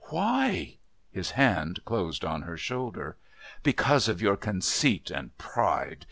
"Why?" His hand closed on her shoulder. "Because of your conceit and pride.